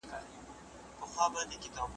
د پنټګان پخواني سلاکار